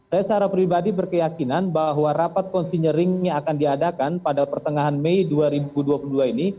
saya secara pribadi berkeyakinan bahwa rapat konsinyering yang akan diadakan pada pertengahan mei dua ribu dua puluh dua ini